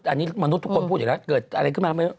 อันนี้มนุษย์ทุกคนพูดอยู่แล้วเกิดอะไรขึ้นมา